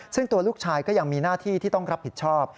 ซึ่งตัวลูกชายก็ยังมีหน้าที่ที่ต้องรับผิดชอบ